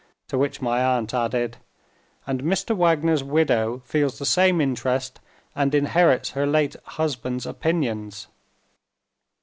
To which my aunt added: "And Mr. Wagner's widow feels the same interest, and inherits her late husband's opinions."